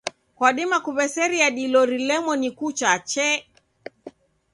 Kwadima kuw'eseria dilo rilemo ni kucha chee.